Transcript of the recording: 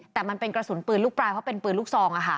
แต่มันเป็นกระสุนปืนลูกปลายเพราะเป็นปืนลูกซอง